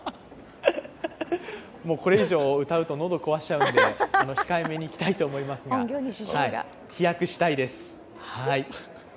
もうこれ以上歌うと喉壊しちゃうので控えめに行きたいと思いますが、飛躍したいです、はい。